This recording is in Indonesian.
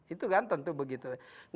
itu kan tentu begitu